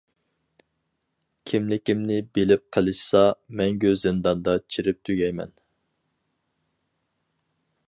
كىملىكىمنى بىلىپ قېلىشسا مەڭگۈ زىنداندا چىرىپ تۈگەيمەن.